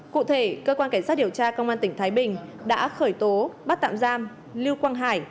cụ thể cơ quan cảnh sát điều tra công an tỉnh thái bình đã khởi tố bắt tạm giam lưu quang hải